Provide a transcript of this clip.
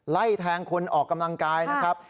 ไล่แทงคนออกกำลังกายนะครับ